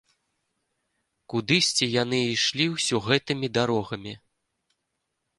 Кудысьці яны ішлі ўсё гэтымі дарогамі.